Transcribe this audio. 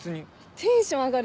テンション上がる